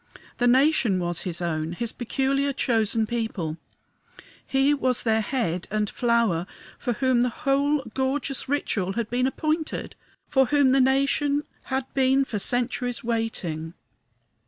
The nation was his own, his peculiar, chosen people; he was their head and flower, for whom the whole gorgeous ritual had been appointed, for whom the nation had been for centuries waiting.